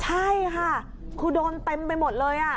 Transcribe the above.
ใช่ค่ะคือโดนเต็มไปหมดเลย